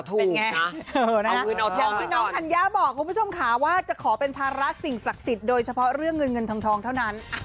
อย่างที่น้องธัญญาบอกคุณผู้ชมค่ะว่าจะขอเป็นภาระสิ่งศักดิ์สิทธิ์โดยเฉพาะเรื่องเงินเงินทองเท่านั้น